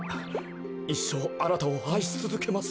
いっしょうあなたをあいしつづけます。